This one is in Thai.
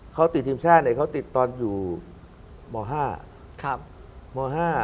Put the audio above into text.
เขาติดทีมชาติเนี้ยเขาติดตอนอยู่หมอห้าครับหมอห้า